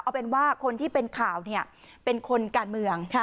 เอาเป็นว่าคนที่เป็นข่าวเป็นคนการเมือง